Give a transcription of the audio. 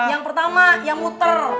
yang pertama yang muter